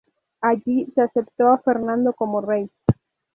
Allí se aceptó a Fernando como rey.